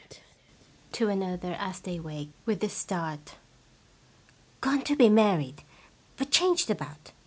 (To another as they wake with a start.) Gone to be married, but changed about